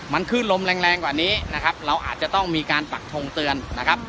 มันขึ้นลมแรงแรงกว่านี้นะครับเราอาจจะต้องมีการปักทงเตือนนะครับ